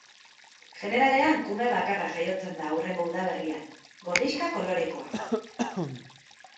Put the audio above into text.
Jeneralean kume bakarra jaiotzen da hurrengo udaberrian, gorrixka kolorekoa.